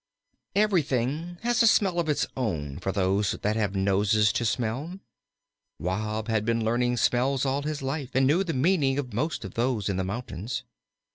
V Everything has a smell of its own for those that have noses to smell. Wahb had been learning smells all his life, and knew the meaning of most of those in the mountains.